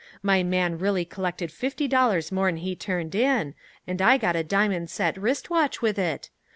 My man really collected fifty dollars more'n he turned in, and I got a diamond set wrist watch with it!